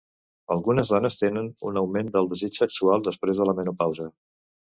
Algunes dones tenen un augment del desig sexual després de la menopausa.